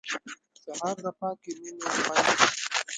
سهار د پاکې مینې خوند دی.